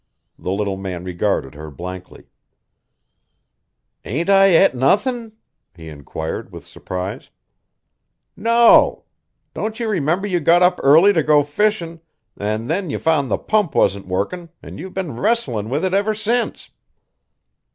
The little man regarded her blankly. "Ain't I et nothin'?" he inquired with surprise. "No. Don't you remember you got up early to go fishin', an' then you found the pump wasn't workin', an' you've been wrestlin' with it ever since."